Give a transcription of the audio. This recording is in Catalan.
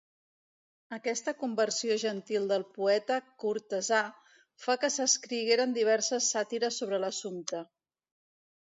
Aquesta conversió gentil del poeta cortesà fa que s'escrigueren diverses sàtires sobre l'assumpte.